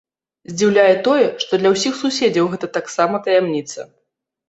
Здзіўляе тое, што для ўсіх суседзяў гэта таксама таямніца.